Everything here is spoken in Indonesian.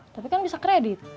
tapi kan bisa kredit